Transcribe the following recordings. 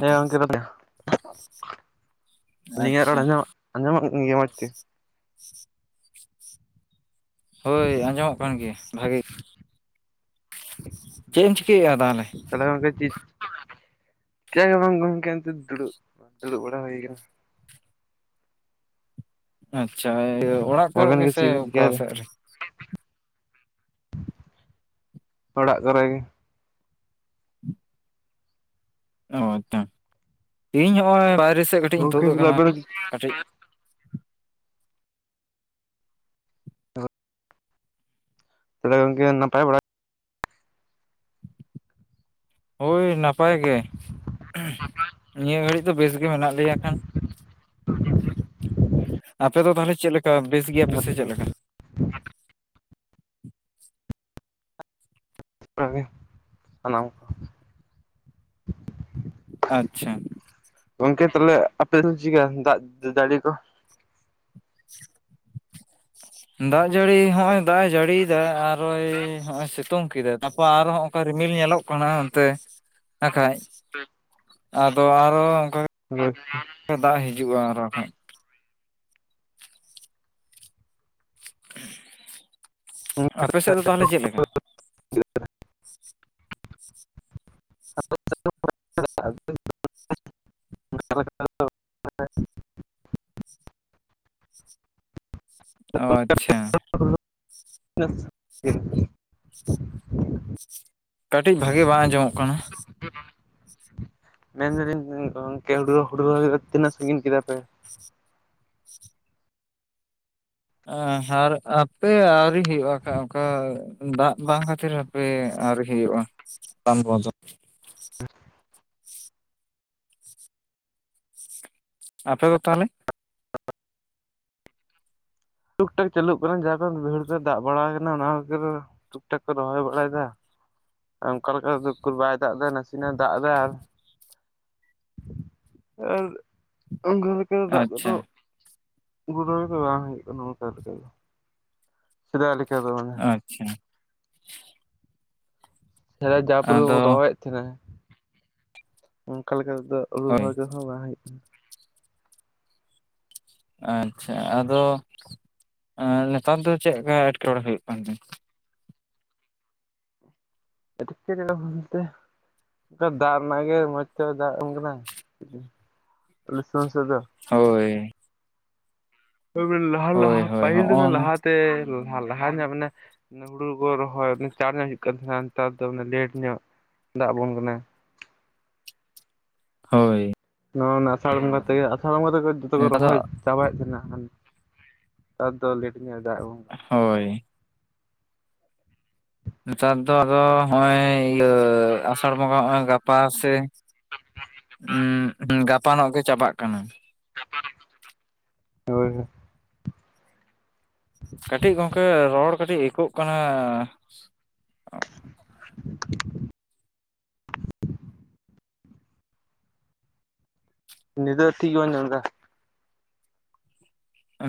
ᱛᱚ ᱜᱚᱢᱠᱮ ᱟᱹᱞᱤᱧᱟᱜ ᱟᱪᱪᱷᱟ ᱨᱚᱲ ᱟᱸᱡᱚᱢᱚ ᱟᱸᱡᱚᱢᱚᱜ ᱜᱮᱭᱟ ᱢᱚᱡᱽ ᱛᱮ ᱦᱳᱭ ᱟᱸᱡᱚᱢᱚᱜ ᱠᱟᱱ ᱜᱮᱭᱟ ᱵᱷᱟᱹᱜᱤ ᱪᱮᱫ ᱮᱢ ᱪᱤᱠᱟᱹᱭᱮᱫᱟ ᱛᱟᱦᱞᱮ? ᱛᱟᱦᱞᱮ ᱜᱚᱝᱠᱮ ᱪᱮᱫ ᱪᱮᱫ ᱦᱚᱸ ᱵᱟᱝ ᱜᱚᱝᱠᱮ ᱫᱩᱲᱩᱵ ᱫᱩᱲᱩᱵ ᱵᱟᱲᱟ ᱦᱩᱭ ᱠᱟᱱᱟ᱾ ᱟᱪᱪᱷᱟ ᱤᱭᱟᱹ ᱚᱲᱟᱜ ᱠᱚᱨᱮ ᱟᱵᱮᱱ ᱜᱮ ᱜᱮᱥᱮ ᱪᱮᱫ ᱵᱤᱱ ᱚᱠᱟ ᱪᱤᱠᱟᱭᱫᱟ ᱥᱮᱫ ᱨᱮ? ᱚᱲᱟᱜ ᱠᱚᱨᱮ ᱜᱮ᱾ ᱱᱚᱜᱼᱚ ᱤᱧ ᱱᱚᱜᱼᱚᱭ ᱵᱟᱭᱨᱮ ᱥᱮᱫ ᱠᱟᱹᱴᱤᱡ ᱤᱧ ᱜᱚᱝᱠᱮ ᱛᱩᱫ ᱛᱟᱦᱞᱮ ᱟᱠᱟᱱᱟ ᱟᱵᱮᱱ ᱠᱟᱹᱴᱤᱡ ᱛᱟᱦᱞᱮ ᱜᱚᱝᱠᱮ ᱱᱟᱯᱟᱭ ᱵᱟᱲᱟ ᱜᱮ᱾ ᱦᱳᱭ ᱱᱟᱯᱟᱭ ᱜᱮ ᱱᱤᱭᱟᱹ ᱜᱷᱟᱹᱲᱤᱡ ᱫᱚ ᱵᱮᱥ ᱜᱮ ᱢᱮᱱᱟᱜ ᱞᱮᱭᱟ ᱠᱷᱟᱱ [unintelligible] ᱟᱯᱮ ᱫᱚ ᱛᱟᱦᱚᱞᱮ ᱪᱮᱫ ᱞᱮᱠᱟ ᱵᱮᱥ ᱜᱮᱭᱟᱯᱮ ᱥᱮ ᱪᱮᱫ ᱞᱮᱠᱟ [unintelligible] [inaudible] ᱥᱟᱱᱟᱢ ᱠᱚ ᱟᱪᱪᱷᱟ ᱜᱚᱝᱠᱮ ᱛᱟᱦᱚᱞᱮ ᱟᱯᱮ ᱫᱚ ᱡᱤᱲᱟᱝ [unintelligible] ᱫᱟᱜ ᱫᱟᱲᱤ ᱠᱚ [unintelligible] ᱫᱟᱜ ᱡᱟᱹᱲᱤ ᱦᱚᱜᱼᱚᱭ ᱫᱟᱜ ᱮ ᱡᱟᱹᱲᱤᱭᱮ ᱫᱟᱭ ᱟᱨᱚᱭ ᱱᱚᱜᱼᱚᱭ ᱥᱤᱛᱩᱝ ᱠᱮᱫᱟ ᱛᱟᱯᱚᱨ ᱟᱨ ᱦᱚᱸ ᱚᱠᱟ ᱨᱤᱢᱤᱞ ᱧᱮᱞᱚᱜ ᱠᱟᱱᱟ ᱚᱱᱛᱮ ᱱᱟᱠᱷᱟᱡ ᱟᱫᱚ ᱟᱨᱚ ᱚᱱᱠᱟ [unintelligible] ᱫᱟᱜ ᱦᱤᱡᱩᱜᱼᱟ ᱟᱨ ᱵᱟᱠᱷᱟᱡ ᱟᱯᱮ ᱥᱮᱫ ᱫᱚ ᱛᱟᱦᱞᱮ ᱪᱮᱫ ᱞᱮᱠᱟ? [unintelligible] [unintelligible] ᱚ ᱟᱪᱪᱷᱟ [unintelligible] ᱠᱟᱹᱴᱤᱡ ᱵᱷᱟᱜᱤ ᱵᱟᱝ ᱟᱸᱡᱚᱢᱚᱜ ᱠᱟᱱᱟ᱾ ᱢᱮᱱ ᱫᱟᱞᱤᱧ ᱜᱚᱝᱠᱮ ᱦᱩᱲᱩ ᱨᱚᱦᱚᱭ ᱠᱚᱫᱚ ᱛᱤᱱᱟᱹᱜ ᱥᱟᱺᱜᱤᱧ ᱠᱮᱫᱟ ᱯᱮ᱾ ᱟᱨ ᱦᱟᱯᱮ ᱟᱹᱣᱨᱤ ᱦᱩᱭᱩᱜᱼᱟ ᱠᱷᱟᱱ ᱚᱱᱠᱟ ᱫᱟᱜ ᱵᱟᱝ ᱠᱷᱟᱹᱛᱤᱨ ᱦᱟᱯᱮ ᱟᱹᱣᱨᱤ ᱦᱩᱭᱩᱜᱼᱟ [inaudible] ᱫᱚ ᱦ [unintelligible] ᱟᱯᱮ ᱫᱚ ᱛᱟᱦᱚᱞᱮ? [inaudible] ᱴᱩᱠ ᱴᱟᱠ ᱪᱟᱹᱞᱩᱜ ᱠᱟᱱᱟ ᱡᱟᱠᱚ ᱵᱷᱤᱭᱟᱦ ᱛᱮ ᱫᱟᱜ ᱵᱟᱲᱟ ᱟᱠᱟᱱᱟ ᱚᱱᱟ ᱠᱚᱼᱼ ᱴᱩᱠ ᱴᱷᱟᱠ ᱠᱚ ᱨᱚᱦᱚᱭ ᱵᱟᱲᱟᱭᱮᱫᱟ ᱚᱱᱠᱟ ᱞᱮᱠᱟ ᱛᱮᱫ ᱵᱟᱭ ᱫᱟᱜ ᱮᱫᱟ ᱱᱟᱥᱮᱱᱟᱜᱮ ᱫᱟᱜ ᱮᱫᱟ ᱟᱨᱼᱼ ᱟᱨ ᱚᱱᱠᱟ ᱞᱮᱠᱟ ᱫᱟᱜ ᱟᱪᱪᱷᱟ ᱠᱚᱫᱚ ᱩᱨᱩ [unintelligible] ᱫᱟᱨᱟᱭ ᱫᱚ ᱵᱟᱝ ᱦᱩᱭᱩᱜ ᱠᱟᱱᱟ ᱚᱱᱠᱟ ᱞᱮᱠᱟ ᱜᱮ ᱥᱮᱫᱟᱭ ᱞᱮᱠ ᱟᱪᱪᱷᱟ ᱦᱮ ᱟᱭ ᱡᱟ ᱯᱚᱨᱤᱢᱟᱱ ᱟᱫᱚ ᱵᱚᱱ ᱨᱚᱦᱚᱭᱮᱫ ᱛᱟᱦᱮᱸᱱᱟ ᱚᱱᱠᱟ ᱞᱮᱠᱟ ᱛᱮᱫᱚ ᱟᱞᱩ ᱦᱳᱭ ᱨᱚᱦᱚᱭᱟ ᱫᱚ [unintelligible] ᱟᱪᱪᱷᱟ ᱟᱫᱚ ᱱᱮᱛᱟᱨ ᱫᱚ ᱪᱮᱫᱠᱟ ᱮᱴᱠᱮᱴᱬᱮ ᱦᱩᱭᱩᱜ ᱠᱟᱱ ᱛᱮ? ᱮᱴᱠᱮᱴᱚᱬᱮ ᱵᱚᱞᱛᱮ ᱚᱱᱠᱟ ᱫᱟᱜ ᱨᱮᱱᱟᱜ ᱜᱮ ᱢᱚᱡᱽ ᱛᱮ ᱫᱟᱜ ᱮᱢ ᱠᱟᱱᱟ ᱱᱟᱥᱮ ᱱᱟᱥᱮ ᱫᱚ ᱦᱳᱭ ᱞᱟᱦᱟ ᱦᱳᱭ ᱞᱟᱦᱟ ᱦᱳᱭ ᱯᱟᱹᱦᱤᱞ ᱫᱚ ᱦᱚᱜᱼᱚ ᱱᱟ ᱞᱟᱦᱟᱛᱮ ᱞᱟᱦᱟ ᱧᱚᱜ ᱢᱟᱱᱮ ᱦᱩᱲᱩ ᱠᱚ ᱨᱚᱦᱚᱭ ᱪᱟᱬ ᱧᱚᱜ ᱦᱩᱭᱩᱜ ᱠᱟᱱ ᱛᱟᱦᱮᱸᱱᱟ ᱱᱮᱛᱟᱨ ᱫᱚ ᱞᱮᱴ ᱧᱚᱜ ᱫᱟᱜ ᱟᱵᱚᱱ ᱠᱟᱱᱟ ᱦᱳᱭ ᱱᱚ ᱟᱥᱟᱲ ᱠᱚᱸᱜᱟ ᱛᱮᱜᱮ ᱟᱥᱟᱲ ᱵᱚᱸᱜᱟ ᱛᱮᱜᱮ ᱡᱚᱛᱚ ᱠᱚ ᱱᱮᱛᱟᱨ ᱫᱚ ᱨᱚᱦᱚᱭ ᱪᱟᱵᱟᱭᱮᱫ ᱛᱟᱦᱮᱱᱟ ᱦᱟᱱ [inaudible] ᱫᱚ ᱞᱮᱴ ᱧᱚᱜ ᱫᱟᱜ ᱜᱚᱢ ᱦᱳᱭ ᱱᱮᱛᱟᱨ ᱫᱚ ᱟᱫᱚ ᱱᱚᱜᱼᱚᱸᱚᱭ ᱤᱭᱟᱹ ᱟᱥᱟᱲ ᱵᱚᱸᱜᱟ ᱱᱚᱜᱼᱚᱭ ᱜᱟᱯᱟ ᱥᱮ ᱩᱸᱜ ᱜᱟᱯᱟᱱᱚᱜ ᱜᱮ ᱪᱟᱵᱟᱜ ᱠᱟᱱᱟ᱾ [inaudible] ᱦᱳᱭ᱾ ᱠᱟᱹᱴᱤᱡ ᱜᱚᱝᱠᱮ ᱨᱚᱲ ᱠᱟᱹᱴᱤᱡ ᱟᱹᱭᱠᱟᱹᱜ ᱠᱟᱱᱟ [inaudible] ᱱᱤᱫᱟᱹ ᱴᱷᱤᱠ ᱜᱮᱵᱚᱱ ᱡᱚᱢ ᱮᱫᱟ᱾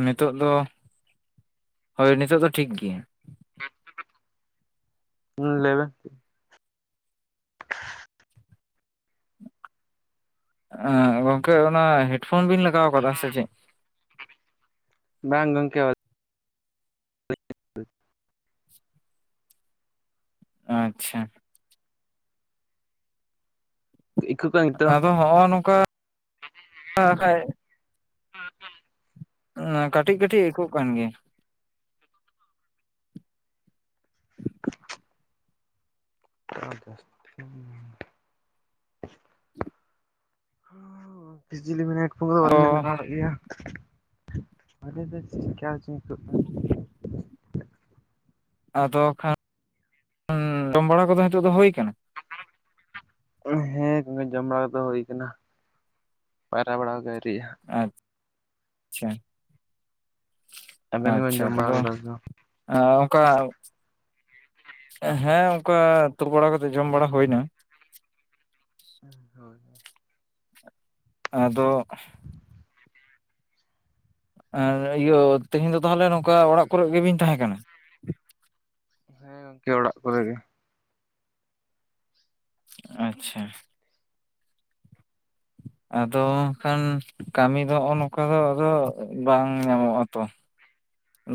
ᱱᱤᱛᱚᱜ ᱫᱚ ᱦᱳᱭ ᱱᱤᱛᱚᱜᱜ ᱫᱚ ᱴᱷᱤᱠ ᱜᱮᱭᱟ ᱦᱩᱸ ᱞᱟᱹᱭ ᱢᱮ ᱚ ᱜᱚᱝᱠᱮ ᱚᱱᱟ ᱦᱮᱰᱯᱷᱳᱱ ᱵᱤᱱ ᱞᱟᱜᱟᱣ ᱠᱟᱫᱟ ᱥᱮ ᱪᱮᱫ ᱵᱟᱝ ᱜᱚᱝᱠᱮ [unintelligible] ᱟᱪᱪᱷᱟ ᱮ [unintelligible] ᱟᱫᱚ ᱦᱚᱸᱜ-ᱚ ᱱᱚᱝᱠᱟ ᱠᱷᱟᱱᱡ ᱠᱟᱹᱴᱤᱡ ᱠᱟᱹᱴᱤᱡ ᱟᱹᱭᱠᱟᱹᱜ ᱠᱟᱱ ᱜᱮᱭᱟ ᱟ [inaudible] ᱯᱷᱤᱡᱤ ᱤᱞᱤᱢᱤᱱᱮᱴ ᱠᱩ ᱟᱫᱚ ᱵᱟᱞᱤᱧ ᱞᱟᱜᱟᱣᱚᱜ ᱜᱮᱭᱟ [inaudible] ᱟᱫᱚ ᱠᱷᱟᱱ ᱡᱚᱢ ᱵᱟᱲᱟ ᱠᱚᱫᱚ ᱦᱤᱛᱚᱜ ᱫᱚ ᱦᱩᱭ ᱟᱠᱟᱱᱟ ᱦᱳᱭ ᱦᱮᱸ [unintelligible] ᱡᱚᱢ ᱵᱟᱲᱟ ᱫᱚ ᱦᱩᱭ ᱠᱟᱱᱟ ᱯᱟᱭᱨᱟ ᱵᱟᱲᱟ ᱫᱚ ᱟᱣᱨᱤᱜ-ᱟ ᱟᱪᱪᱷᱟ ᱟᱵᱮᱱ ᱜᱮᱵᱮᱱ ᱟᱪᱪᱷᱟ ᱡᱚᱢ ᱵᱟᱲᱟ ᱛᱟᱦᱞᱮ ᱠᱟᱫᱟ ᱥᱮ ᱵᱟᱝ ᱦᱮ ᱚᱱᱠᱟ ᱦᱮᱸ ᱚᱱᱠᱟ ᱛᱩᱞᱩ ᱵᱟᱲᱟ ᱠᱟᱛᱮ ᱡᱚᱢ ᱵᱟᱲᱟ ᱦᱩᱭᱮᱱᱟ ᱦᱳᱭ ᱦᱳᱭ ᱟᱫᱚ ᱟᱨ ᱤᱭᱟᱹ ᱛᱮᱦᱮᱧ ᱫᱚ ᱛᱟᱦᱚᱞᱮ ᱱᱚᱝᱠᱟ ᱚᱲᱟᱜ ᱠᱚᱨᱮ ᱜᱮᱵᱤᱱ ᱛᱟᱦᱮᱸ ᱠᱟᱱᱟ ᱦᱮᱸ ᱜᱚᱝᱠᱮ ᱚᱲᱟᱜ ᱠᱚᱨᱮ ᱜᱮ ᱟᱪᱪᱷᱟ ᱟᱫᱚ ᱠᱷᱟᱱ ᱠᱟᱹᱢᱤ ᱫᱚ ᱱᱚᱜ-ᱚ ᱱᱚᱝᱠᱟ ᱫᱚ ᱟᱫᱚ ᱵᱟᱝ ᱧᱟᱢᱚᱜ ᱟ ᱛᱚ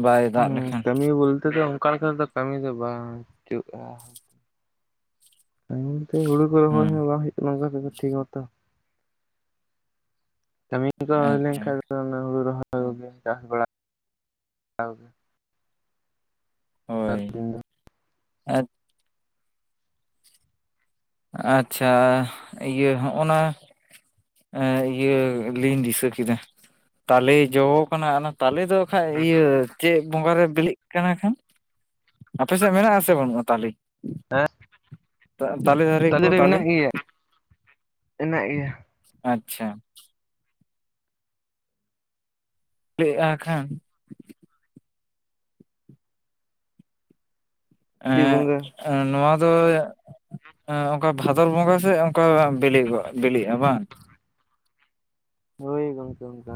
ᱵᱟᱭ ᱫᱟᱜ ᱞᱮᱠᱷᱟᱱ ᱦᱩᱸ ᱠᱟᱹᱢᱤ ᱵᱚᱞᱛᱮ ᱫᱚ ᱚᱱᱠᱟ ᱞᱮᱠᱟ ᱫᱚ ᱠᱟᱹᱢᱤ ᱫᱚ ᱵᱟᱝ ᱦᱩᱭᱩᱜ-ᱟ ᱛᱟᱭᱚᱢ ᱛᱮ ᱦᱩᱲᱩ ᱠᱚ ᱨᱚᱦᱚᱭ ᱦᱩᱸ ᱦᱚᱸ ᱵᱟᱝ ᱦᱩᱭᱩᱜ ᱠᱟᱱᱟ [unintelligible] ᱴᱷᱤᱠ ᱢᱚᱛᱚ ᱛᱚ ᱠᱟᱹᱢᱤ ᱠᱚ ᱦᱩᱭ ᱟᱪᱪᱷᱟ ᱞᱮᱱᱠᱷᱟᱡ ᱫᱚ ᱢᱟᱱᱮ ᱦᱩᱲᱩ ᱨᱚᱦᱚᱭ ᱠᱚᱜᱮ ᱪᱟᱥ ᱵᱟᱲᱟ [unintelligible] ᱱᱮᱛᱟᱨ ᱦᱳᱭ ᱫᱤᱱ ᱫᱚ ᱟᱸᱪ ᱟᱪᱪᱷᱟ ᱤᱭᱟᱹ ᱦᱚᱜ-ᱚᱱᱟ ᱮᱸ ᱤᱭᱟᱹ ᱞᱤᱧ ᱫᱤᱥᱟᱹ ᱠᱮᱫᱟ ᱛᱟᱞᱮ ᱡᱚ ᱟᱠᱟᱱᱟ ᱛᱟᱞᱮ ᱫᱚ ᱠᱷᱟᱡ ᱤᱭᱟᱹ ᱪᱮᱫ ᱵᱚᱸᱜᱟ ᱨᱮ ᱵᱤᱞᱤᱜ ᱠᱟᱱᱟ ᱠᱷᱟᱱ ᱟᱯᱮ ᱥᱮᱫ ᱢᱮᱱᱟᱜ ᱟᱥᱮ ᱵᱟᱹᱱᱩᱜ-ᱟ ᱛᱟᱞᱮ ᱦᱮᱸ ᱛᱟ- ᱫᱟᱨᱮ ᱛᱟᱞᱮ ᱠᱚ ᱫᱮ ᱢᱮᱱᱟᱜ ᱜᱮᱭᱟ ᱢᱮᱱᱟᱜ ᱜᱮᱭᱟ [unintelligible] ᱟᱪᱪᱷᱟ ᱠᱮᱜᱼᱟ ᱠᱷᱟᱱ [unintelligible] ᱮᱻ ᱪᱟᱹᱛ ᱵᱚᱸᱜᱟ ᱮᱻ ᱱᱚᱣᱟ ᱫᱚ [unintelligible] ᱮᱻ ᱚᱱᱠᱟ ᱵᱷᱟᱫᱚᱨ ᱵᱚᱸᱜᱟ ᱥᱮ ᱚᱱᱠᱟ ᱵᱤᱞᱤᱜ ᱠᱚᱜ ᱵᱤᱞᱤᱜᱼᱟ ᱵᱟᱝ ᱦᱳᱭ ᱜᱚᱝᱠᱮ ᱚᱱᱠᱟ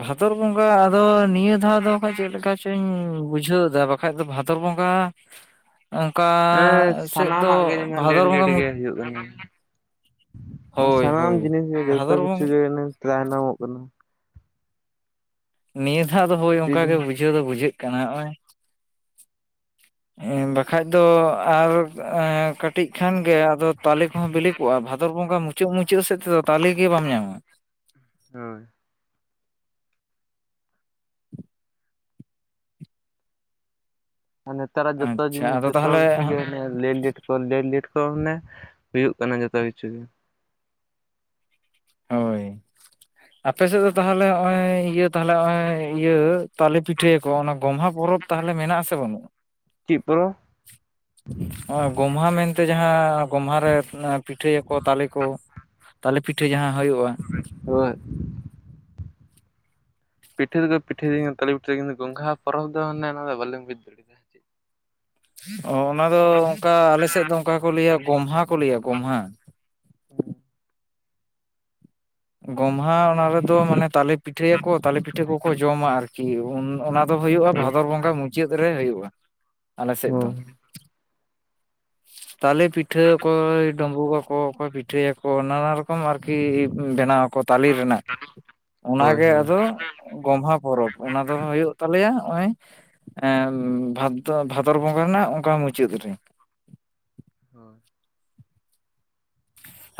ᱵᱷᱟᱫᱚᱨ ᱵᱚᱸᱜᱟ ᱟᱫᱚ ᱱᱤᱭᱟᱹ ᱫᱷᱟᱣ ᱫᱚ ᱠᱷᱟᱡ ᱪᱮᱫ ᱞᱮᱠᱟ [unintelligible] ᱵᱩᱡᱷᱟᱹᱣ ᱫᱟ ᱵᱟᱠᱷᱟᱡ ᱫᱚ ᱵᱷᱟᱫᱚᱨ ᱵᱚᱸᱜᱟ ᱚᱱᱠᱟ ᱮᱻ ᱥᱮᱫ ᱫᱚ ᱥᱟᱱᱟᱢᱟᱜ ᱜᱮ [unintelligible] ᱞᱮᱴ ᱵᱷᱟᱫᱚᱨ ᱞᱮᱴ ᱵᱚᱸᱜᱟ ᱢᱩ ᱜᱮ ᱦᱩᱭᱩᱜ ᱠᱟᱱᱟ ᱦᱳᱭ ᱥᱟᱱᱟᱢ ᱦᱳᱭ ᱡᱤᱱᱤᱥ ᱜᱮ ᱡᱚᱛᱚ ᱵᱷᱟᱫᱚᱨ ᱠᱤᱪᱷᱩ ᱵᱚᱸᱜᱟ ᱜᱮ ᱛᱟᱭᱱᱚᱢᱚᱜ ᱠᱟᱱᱟ ᱱᱤᱭᱟᱹ ᱫᱷᱟᱣ ᱫᱚ ᱦᱳᱭ ᱚᱱᱠᱟ ᱪᱤᱞᱤ ᱜᱮ ᱦᱚᱸ ᱵᱩᱡᱷᱟᱹ ᱫᱚ ᱵᱩᱡᱷᱟᱹᱜ ᱠᱟᱱᱟ ᱮᱻᱢ ᱵᱟᱠᱷᱟᱡ ᱫᱚ ᱟᱨ ᱮ ᱠᱟᱹᱴᱤᱡ ᱠᱷᱟᱱ ᱜᱮ ᱛᱟᱞᱮ ᱠᱚᱦᱚ ᱵᱮᱞᱮ ᱠᱩ-ᱟ ᱵᱷᱟᱫᱚᱨ ᱵᱚᱸᱜᱟ ᱢᱩᱪᱟᱹᱫ ᱢᱩᱪᱟᱹᱫ ᱥᱮᱫ ᱛᱮᱫᱚ ᱛᱟᱞᱮ ᱜᱮ ᱵᱟᱢ ᱧᱟᱢᱟ ᱦᱳᱭ ᱱᱮᱛᱟᱨᱟᱜ ᱡᱚᱛᱚ ᱟᱪᱪᱷᱟ ᱡᱤᱱᱤᱥ ᱟᱫᱚ ᱡᱚᱛᱚ ᱛᱟᱦᱚᱞᱮ ᱠᱤᱪᱩ ᱡᱚ ᱧᱮᱞ ᱞᱮᱱ ᱰᱮᱴ ᱠᱚ ᱞᱮᱱ ᱰᱮᱴ ᱠᱚ ᱢᱟᱱᱮ ᱦᱩᱭᱩᱜ ᱠᱟᱱᱟ ᱡᱚᱛᱚ ᱠᱤᱪᱷᱩ ᱜᱮ ᱦᱳᱭ ᱟᱯᱮ ᱥᱮᱫ ᱫᱚ ᱛᱟᱦᱚᱞᱮ ᱦᱚᱜ-ᱚᱭ ᱤᱭᱟᱹ ᱛᱟᱦᱚᱞᱮ ᱦᱚᱜ-ᱚᱭ ᱤᱭᱟᱹ ᱛᱟᱞᱮ ᱯᱤᱴᱷᱟᱹ ᱠᱚᱦᱚ ᱚᱱᱟ ᱜᱚᱢᱦᱟ ᱯᱚᱨᱚᱵᱽ ᱛᱟᱦᱚᱞᱮ ᱢᱮᱱᱟᱜ ᱟᱥᱮ ᱵᱟᱹᱱᱩᱜ-ᱟ ᱪᱤᱫ ᱯᱚᱨᱚ [unintelligible] [inaudible] ᱦᱚᱜᱼᱚᱭ ᱜᱚᱢᱦᱟ ᱢᱮᱱᱛᱮ ᱡᱟᱦᱟᱸ ᱜᱚᱢᱦᱟ ᱨᱮ ᱯᱤᱴᱷᱟᱹᱭᱟᱠᱚ ᱛᱟᱞᱮ ᱠᱚ ᱛᱟᱞᱮ ᱯᱤᱴᱷᱟᱹ ᱡᱟᱦᱟᱸ ᱦᱩᱭᱩᱜᱼᱟ [unintelligible] ᱯᱤᱴᱷᱟᱹ ᱫᱚ ᱠᱚ ᱯᱤᱴᱷᱟᱹ ᱫᱤᱧ ᱛᱟᱞᱮ ᱯᱤᱴᱷᱟᱹ ᱜᱚᱢᱦᱟ ᱯᱚᱨᱚᱵ ᱫᱚ ᱢᱟᱱᱮ ᱫᱚ ᱵᱟᱞᱤᱧ ᱵᱩᱡ ᱫᱟᱲᱤᱭᱟᱫᱟ ᱚ ᱚᱱᱟ ᱫᱚ ᱚᱱᱠᱟ ᱟᱞᱮᱥᱮᱫ ᱫᱚ ᱜᱚᱢᱟᱦ ᱠᱚ ᱞᱟᱭᱤᱭᱟ ᱜᱚᱢᱟᱦ ᱜᱚᱢᱦᱟ ᱚᱱᱟ ᱨᱮᱫᱚ ᱢᱟᱱᱮ ᱛᱟᱞᱮ ᱯᱤᱴᱷᱟᱹᱭᱟᱠᱚ ᱛᱟᱞᱮ ᱯᱤᱴᱷᱟᱹ ᱠᱚᱠᱚ ᱡᱚᱢᱟ ᱟᱨᱠᱤ ᱚᱱᱟ ᱫᱚ ᱦᱩᱭᱩᱜᱼᱟ ᱦᱳᱭ ᱵᱷᱟᱫᱚᱨ ᱵᱚᱸᱜᱟ ᱢᱩᱪᱟᱹᱫ ᱨᱮ ᱦᱩᱭᱩᱜᱼᱟ ᱟᱞᱮ ᱥᱮᱫ ᱦᱳᱭ ᱫᱚ ᱛᱟᱞᱮ ᱯᱤᱴᱷᱟᱹ ᱚᱠᱚᱭ ᱰᱩᱸᱵᱩᱜ ᱟᱠᱚ ᱚᱠᱚᱭ ᱯᱤᱴᱷᱟᱹᱭᱟᱠᱚ ᱱᱟᱱᱟ ᱨᱚᱠᱚᱢ ᱟᱨᱠᱤ ᱵᱮᱱᱟᱣ ᱟᱠᱚ ᱛᱟᱞᱮ ᱨᱮᱱᱟᱜ ᱚᱱᱟ ᱦᱳᱭ ᱜᱮ ᱦᱳᱭ ᱟᱫᱚ ᱜᱚᱢᱦᱟ ᱯᱚᱨᱚᱵᱽ ᱚᱱᱟ ᱫᱚ ᱦᱩᱭᱩᱜ ᱛᱟᱞᱮᱭᱟ ᱦᱚᱜᱼᱚᱭ ᱮᱸ ᱵᱷᱟᱫ ᱫᱚ ᱵᱷᱟᱫᱚᱨ ᱵᱚᱸᱜᱟ ᱨᱮᱱᱟᱜ ᱚᱱᱠᱟ ᱢᱩᱪᱟᱹᱫ ᱨᱮ ᱦᱳᱭ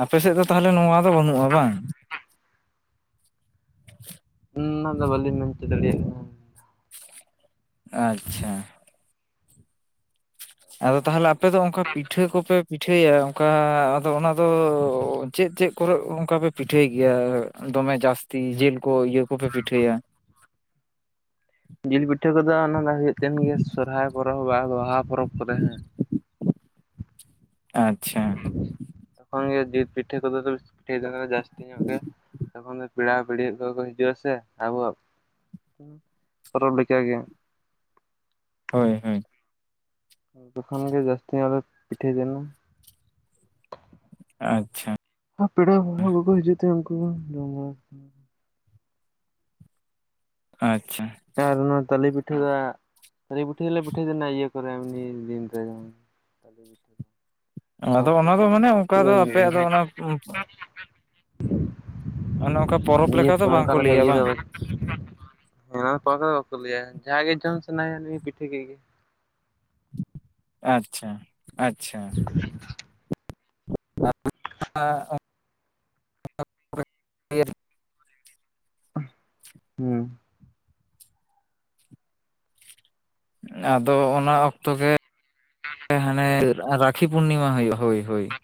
ᱟᱯᱮ ᱥᱮᱫ ᱫᱚ ᱛᱟᱦ ᱩᱸ ᱚᱱᱟ ᱫᱚ ᱵᱟᱞᱤᱧ ᱢᱮᱱ ᱪᱩ ᱫᱟᱲᱤᱭᱟᱜ ᱠᱟᱱᱟ ᱟᱪᱪᱷᱟ ᱟᱫᱚ ᱛᱟᱦᱚᱞᱮ ᱟᱯᱮ ᱫᱚ ᱚᱱᱠᱟ ᱯᱤᱴᱷᱟᱹ ᱠᱚᱯᱮ ᱯᱤᱴᱷᱟᱹᱭᱟ ᱚᱱᱠᱟ ᱟᱫᱚ ᱚᱱᱟ ᱫᱚ ᱪᱮᱫ ᱪᱮᱫ ᱠᱚᱨᱮ ᱚᱱᱠᱟ ᱯᱮ ᱯᱤᱴᱷᱟᱹᱭ ᱜᱮᱭᱟ ᱫᱚᱢᱮ ᱡᱟᱹᱥᱛᱤ ᱡᱤᱞ ᱠᱚ ᱤᱭᱟᱹ ᱠᱚᱯᱮ ᱯᱤᱴᱷᱟᱹᱭᱟ ᱡᱤᱞ ᱯᱤᱴᱷᱟᱹ ᱠᱚᱫᱚ ᱚᱱᱟ ᱫᱚ ᱦᱩᱭᱩᱜ ᱛᱮᱱ ᱜᱮᱭᱟ ᱥᱚᱨᱦᱟᱭ ᱯᱚᱨᱚᱵᱽ ᱵᱟ ᱵᱟᱦᱟ ᱯᱚᱨᱚᱵᱽ ᱠᱚᱨᱮ ᱦᱮᱸ ᱟᱪᱪᱷᱟ ᱛᱚᱠᱷᱚᱱ ᱜᱮ ᱡᱤᱞ ᱯᱤᱴᱷᱟᱹ ᱠᱚᱫᱚ ᱫᱚᱢᱮ ᱯᱤᱴᱷᱟᱹᱭᱫᱟᱞᱮ ᱡᱟᱹᱥᱛᱤ ᱧᱚᱜ ᱜᱮᱭᱟ ᱛᱚᱠᱷᱚᱱ ᱫᱚ ᱯᱮᱲᱟ ᱯᱤᱲᱤ ᱠᱚ ᱠᱚ ᱦᱤᱡᱩᱜᱼᱟ ᱥᱮ ᱟᱵᱚᱣᱟᱜ ᱯᱚᱨᱚᱵᱽ ᱞᱮᱠᱟᱜᱮ ᱦᱳᱭ ᱦᱳᱭ ᱛᱚᱠᱷᱚᱱ ᱜᱮ ᱡᱟᱹᱥᱛᱤᱮ ᱯᱤᱴᱷᱟᱹ ᱡᱚᱱᱟ ᱟᱪᱪᱷᱟ ᱟᱨ ᱯᱮᱲᱟ ᱦᱚᱲᱦᱚᱸ ᱠᱚᱠᱚ ᱦᱤᱡᱩᱜ ᱛᱮ ᱩᱱᱠᱩ ᱦᱚᱸ ᱡᱚᱢ ᱵᱟᱲᱟ ᱠᱟᱛᱮᱫ ᱟᱪᱪᱷᱟ ᱟᱨ ᱚᱱᱟ ᱛᱟᱞᱮ ᱯᱤᱴᱷᱟᱹ ᱫᱚ ᱛᱟᱞᱮ ᱯᱤᱴᱟᱹ ᱫᱚᱞᱮ ᱯᱤᱴᱷᱟᱹ ᱫᱚ ᱚᱱᱟ ᱤᱭᱟᱹ ᱠᱚᱨᱮ ᱮᱢᱱᱤ ᱫᱤᱱ ᱨᱮ [inaudible] ᱠᱚ᱾ ᱟᱫᱚ ᱚᱱᱟ ᱫᱚ ᱢᱟᱱᱮ ᱚᱝᱠᱟ ᱫᱚ ᱤᱭᱟᱹ ᱟᱯᱮᱭᱟᱜ ᱫᱚ ᱚᱱᱟ [inaudible] ᱚᱱᱮ ᱚᱝᱠᱟ ᱯᱚᱨᱚᱵᱽ ᱞᱮᱠᱟ ᱫᱚ ᱚᱱᱠᱟ ᱵᱟᱝᱠᱚ ᱞᱮᱠᱟ ᱞᱟᱹᱭᱟ ᱵᱟᱝ [unintelligible] ᱦᱮᱸ ᱟᱠᱚ ᱫᱚ ᱵᱟᱠᱚ ᱞᱟᱹᱭᱟ ᱡᱟᱦᱟᱸᱭ ᱜᱮ ᱡᱚᱢ ᱥᱟᱱᱟᱭᱮᱭᱟ ᱩᱱᱤ ᱜᱮᱭ ᱯᱤᱴᱷᱟᱹ ᱠᱮᱫ ᱜᱮ [unintelligible] ᱟᱪᱪᱷᱟ ᱟᱪᱪᱷᱟ [inaudible] [inaudible] ᱦᱩᱸ ᱟᱫᱚ ᱚᱱᱟ ᱚᱠᱛᱚ ᱜᱮ ᱦᱟᱱᱮ ᱩᱛᱟᱹᱨ ᱨᱟᱠ [unintelligible] ᱨᱟᱠᱷᱤ ᱯᱩᱨᱱᱤᱢᱟ ᱦᱳ ᱦᱳᱭ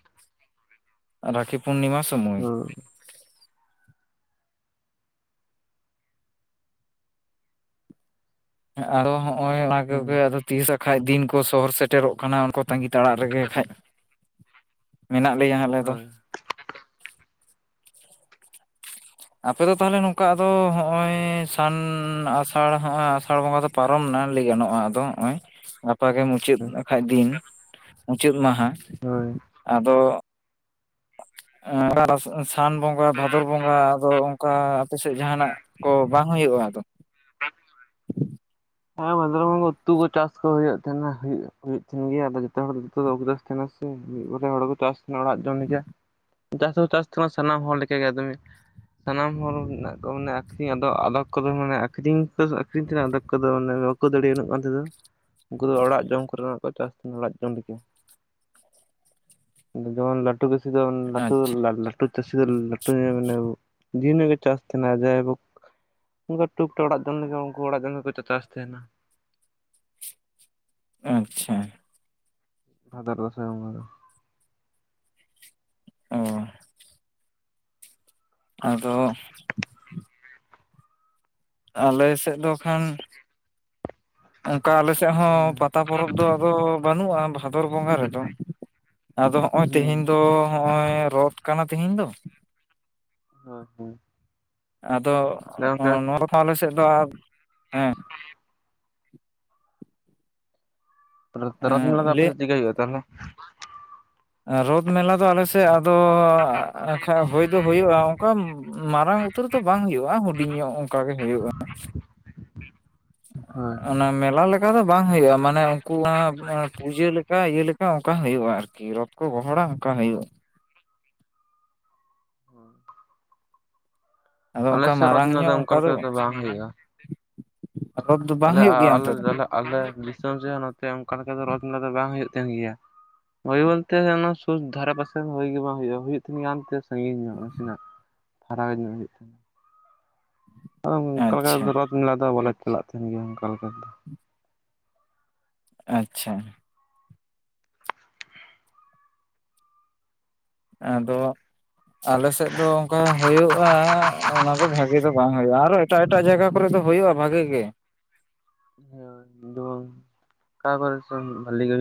ᱨᱟᱠᱷᱤ ᱯᱩᱨᱱᱤᱢᱟ ᱥᱚ ᱦᱚᱭ ᱟᱨᱚ ᱦᱚᱸᱜ-ᱚᱭ ᱚᱱᱟ ᱠᱚᱜᱮ ᱦᱩᱸ ᱟᱫᱚ ᱛᱤᱥ ᱦᱟᱸᱜ ᱠᱷᱟᱡ ᱫᱤᱱ ᱠᱚ ᱥᱚᱦᱚᱨ ᱥᱮᱴᱮᱨᱚᱜ ᱠᱟᱱᱟ, ᱚᱱᱟ ᱠᱚ ᱛᱟᱺᱜᱤ ᱛᱟᱬᱟᱜ ᱨᱮᱜᱮ ᱠᱷᱟᱡ ᱢᱮᱱᱟᱜ ᱞᱮᱭᱟ ᱟᱞᱮ ᱫᱚ ᱦᱳᱭ ᱟᱯᱮ ᱫᱚ ᱛᱟᱦᱞᱮ ᱱᱚᱝᱠᱟ ᱟᱫᱚ ᱦᱚᱸᱜᱼᱚᱭ ᱥᱟᱱ ᱟᱥᱟᱲ ᱦᱟᱸᱜ ᱟᱥᱟᱲ ᱵᱚᱸᱜᱟ ᱫᱚ ᱯᱟᱨᱚᱢᱱᱟ ᱞᱟᱹᱭ ᱜᱟᱱᱚᱜᱼᱟ ᱟᱫᱚ ᱦᱚᱸᱜᱼᱚᱭ ᱜᱟᱯᱟ ᱜᱮ ᱢᱩᱪᱟᱹᱫ ᱦᱟᱸᱜ ᱠᱷᱟᱡ ᱫᱤᱱ ᱢᱩᱪᱟᱹᱫ ᱢᱟᱦᱟ ᱦᱳᱭ ᱟᱫᱚ ᱥᱟᱱ ᱮᱸ [unintelligible] ᱵᱚᱸᱜᱟ ᱵᱷᱟᱫᱚᱨ ᱵᱚᱸᱜᱟ ᱟᱫᱚ ᱚᱱᱠᱟ ᱟᱯᱮ ᱥᱮᱫ ᱡᱟᱦᱟᱱᱟᱜ ᱠᱚ ᱵᱟᱝ ᱦᱩᱭᱩᱜᱼᱟ ᱟᱫᱚ ᱦᱚᱸ, ᱱᱚᱣᱟ ᱠᱚ ᱩᱛᱩ ᱠᱚ ᱪᱟᱥ ᱠᱚ ᱦᱩᱭᱩᱜ ᱛᱟᱸᱦᱮᱱᱟ ᱦᱩᱭᱩᱜ ᱛᱟᱦᱮᱱ ᱦᱩᱭᱩᱜ-ᱦᱩᱜᱩᱜ ᱛᱟᱸᱦᱮᱱ ᱜᱮᱭᱟ ᱟᱫᱚ ᱡᱚᱛᱚ ᱦᱚᱲ ᱫᱚ [unintelligible] ᱛᱟᱦᱮᱱᱟ ᱥᱮ ᱢᱤᱫ ᱵᱟᱨᱭᱟ ᱦᱚᱲ ᱠᱚ ᱪᱟᱥ ᱛᱟᱦᱮᱱᱟ ᱚᱲᱟᱜ ᱡᱚᱢ ᱞᱮᱟ ᱡᱟᱹᱥᱛᱤ ᱪᱟᱥ ᱛᱟᱦᱮᱱᱟ ᱥᱟᱱᱟᱢ ᱦᱚᱲ ᱞᱮᱠᱟᱜᱮ ᱫᱚᱚᱢᱮ ᱥᱟᱱᱟᱢ ᱦᱚᱲ ᱢᱮᱱᱟᱜ ᱠᱚᱣᱟ ᱢᱟᱱᱮ ᱟᱠᱷᱨᱤᱧ ᱟᱫᱚ ᱟᱫᱚᱠ ᱠᱚᱫᱚ ᱢᱟᱱᱮ ᱟᱹᱠᱷᱨᱤᱧ ᱠᱚ ᱟᱹᱠᱷᱨᱤᱧ ᱛᱮᱫᱚ ᱟᱫᱮᱠ ᱠᱚᱫᱚ ᱢᱟᱱᱮ ᱵᱟᱠᱚ ᱫᱟᱲᱮᱭᱟᱜ-ᱟ ᱩᱟᱹᱜ ᱜᱟᱱ ᱛᱮᱫᱚ ᱩᱱᱠᱩ ᱫᱚ ᱚᱲᱟᱜ ᱡᱚᱢ ᱠᱚᱨᱮᱱᱟᱜ ᱠᱚ ᱪᱟᱥ ᱛᱟᱦᱮᱸ ᱚᱲᱟᱜ ᱡᱚᱢ ᱞᱮᱠᱟ ᱡᱮᱢᱚᱱ ᱞᱟᱹᱴᱩ ᱜᱮ ᱥᱩᱫᱩ ᱞᱟᱹᱴᱩ ᱟᱪᱪᱷᱟ ᱞᱟ-ᱞᱟ ᱞᱟᱹᱴᱩ ᱪᱟᱹᱥᱤ ᱫᱚ ᱞᱟᱹᱴᱩ ᱡᱟᱦᱟᱸᱭ ᱢᱟᱱᱮ ᱫᱤᱱ ᱜᱮᱠᱚ ᱪᱟᱥ‌ ᱛᱟᱦᱮᱱᱟ ᱡᱟᱦᱟᱸᱭ ᱴᱩᱠ-ᱴᱟᱠ ᱚᱲᱟᱜ ᱡᱚᱢ ᱞᱮᱠᱟ ᱩᱝᱠᱩ ᱚᱲᱟᱜ ᱡᱚᱢ ᱜᱮᱠᱚ ᱪᱟᱥ ᱛᱟᱦᱮᱱᱟ ᱟᱪᱪᱷᱟ ᱦᱟᱡᱟᱨ ᱫᱚᱥᱟᱨ ᱚ ᱟᱫᱚ ᱟᱞᱮ ᱥᱮᱫ ᱫᱚ ᱠᱷᱟᱱ ᱚᱱᱠᱟ ᱟᱞᱮ ᱥᱮᱫ ᱦᱚᱸ ᱦᱩᱸ ᱯᱟᱛᱟ ᱯᱚᱨᱚᱵᱽ ᱫᱚ ᱟᱫᱚ ᱵᱟᱹᱱᱩᱜᱼᱟ ᱵᱷᱟᱫᱚᱨ ᱵᱚᱸᱜᱟ ᱨᱮᱫᱚ ᱟᱫᱚ ᱦᱚᱸᱜᱼᱚᱭ ᱦᱩᱸ ᱛᱮᱦᱮᱧ ᱫᱚ ᱦᱚᱸᱜᱼᱚᱭ ᱨᱚᱛᱷ ᱠᱟᱱᱟ ᱛᱮᱦᱮᱧ ᱫᱚ ᱦᱚ, ᱦᱮᱸ ᱟᱫᱚ ᱱᱚ-ᱱᱚᱣᱟ ᱨᱚᱛᱷᱟ ᱟᱞᱮ ᱥᱮᱫ ᱫᱚ ᱦᱮᱸ ᱦᱮᱸ [unintelligible] ᱛᱟᱨᱯᱚᱨᱮ ᱨᱚᱛᱷ ᱢᱮᱞᱟ ᱫᱚ ᱟᱯᱮ ᱞᱟᱹᱭ ᱥᱮᱦ ᱪᱮᱫ ᱞᱮᱠᱟ ᱦᱩᱭᱩᱜ-ᱟ ᱛᱟᱦᱞᱮ ᱨᱚᱫ ᱢᱮᱞᱟ ᱫᱚ ᱟᱞᱮ ᱥᱮᱫ ᱟᱫᱚ ᱡᱟᱸᱜᱟ ᱠᱷᱟᱡ ᱦᱩᱭ ᱫᱚ ᱦᱩᱭᱩᱜᱼᱟ ᱚᱝᱠᱟ ᱢᱟᱨᱟᱝ ᱩᱛᱟᱹᱨ ᱫᱚ ᱵᱟᱝ ᱦᱩᱭᱩᱜᱼᱟ ᱦᱩᱰᱤᱧ ᱧᱚᱜ ᱚᱝᱠᱟ ᱜᱮ ᱦᱩᱭᱩᱜᱼᱟ ᱦᱳᱭ ᱚᱱᱟ ᱢᱮᱞᱟ ᱞᱮᱠᱟ ᱫᱚ ᱵᱟᱝ ᱦᱩᱭᱩᱜᱼᱟ ᱢᱟᱱᱮ ᱩᱝᱠᱩ ᱯᱩᱡᱟᱹ ᱞᱮᱠᱟ ᱤᱭᱟᱹ ᱞᱮᱠᱟ ᱚᱱᱮ ᱚᱝᱠᱟ ᱦᱩᱭᱩᱜᱼᱟ ᱟᱨᱠᱤ ᱨᱚᱛᱷ ᱠᱚ ᱜᱚᱦᱚᱲᱟ ᱚᱝᱠᱟ ᱦᱩᱭᱩᱜᱼᱟ ᱦᱮᱸ [unintelligible] ᱟᱫᱚ ᱟᱞᱮ ᱚᱱᱠᱟ ᱥᱚᱛ ᱢᱟᱨᱟᱝ ᱨᱮᱱᱟᱜ ᱫᱚ ᱧᱚᱜ ᱚᱱᱠᱟ ᱞᱮᱠᱟ ᱫᱚ ᱵᱟᱝ ᱦᱩᱭᱩᱜᱼᱟ ᱨᱚᱛ ᱫᱚ ᱵᱟᱝ ᱟᱞᱮ ᱦᱩᱭᱩᱜ ᱜᱮᱭᱟ ᱟᱞᱞ ᱚᱱᱛᱮ ᱫᱚ [unintelligible] ᱟᱞᱮ ᱫᱤᱥᱚᱢ ᱨᱮᱦᱚᱸ ᱱᱚᱛᱮ ᱚᱱᱠᱟ ᱞᱮᱠᱟ ᱫᱚ ᱨᱚᱛᱷ ᱢᱮᱞᱟ ᱫᱚ ᱵᱟᱝ ᱦᱩᱭᱩᱜ ᱛᱟᱦᱮᱱ ᱜᱮᱭᱟ ᱳᱭ ᱵᱚᱞᱛᱮ ᱚᱱᱟ ᱥᱩᱥ ᱫᱷᱟᱨᱮ ᱯᱟᱥᱮ ᱦᱩᱭ ᱜᱮ ᱵᱟᱝ ᱦᱩᱭᱩᱜ ᱦᱩᱭᱩᱜ ᱛᱱ ᱜᱮᱭᱟᱛᱮ ᱥᱟᱺᱜᱤᱧ ᱧᱚᱜ ᱱᱟᱥᱮᱱᱟᱜ ᱯᱷᱟᱨᱟᱣ ᱧᱚᱜ ᱦᱩᱭᱩᱜ ᱛᱟᱦᱮᱱᱟ [unintelligible] ᱟᱫᱚ ᱚᱱᱠᱟ ᱟᱪᱪᱷᱟ ᱞᱮᱠᱟᱮᱫᱚ ᱨᱚᱛᱷ ᱢᱮᱞᱟ ᱫᱚ ᱵᱟᱞᱮ ᱪᱟᱞᱟᱜ ᱛᱟᱦᱮᱱ ᱜᱮᱭᱟ ᱚᱱᱠᱟ ᱞᱮᱠᱟ ᱟᱪᱪᱷᱟ ᱟᱫᱚ ᱟᱞᱮ ᱥᱮᱫ ᱫᱚ ᱚᱱᱠᱟ ᱦᱩᱭᱩᱜᱼᱟ ᱚᱱᱟ ᱫᱚ ᱵᱷᱟᱜᱤ ᱫᱚ ᱵᱟᱝ ᱦᱩᱭᱩᱜᱼᱟ ᱟᱨ ᱮᱴᱟᱜ ᱮᱴᱟᱜ ᱡᱟᱭᱜᱟ ᱠᱚᱨᱮ ᱫᱚ ᱦᱩᱭᱩᱜᱼᱟ ᱵᱷᱟᱜᱮ ᱜᱮ ᱾ ᱦᱮ ᱫᱚᱝ ᱠᱟ ᱠᱚᱨᱮ ᱪᱚᱝ ᱵᱷᱟᱞᱤ ᱜᱮ